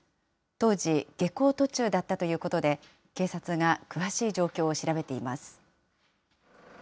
当時、下校途中だったということで、警察が詳しい状況を調べています。